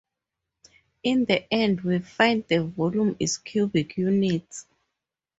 In the end we find the volume is cubic units.